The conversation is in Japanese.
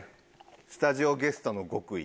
「スタジオゲストの極意」。